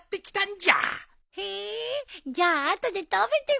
じゃあ後で食べてみよう。